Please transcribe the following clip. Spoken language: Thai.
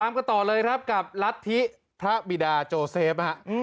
ตามกันต่อเลยกับรัฐธิพระบีดาโจเซฟ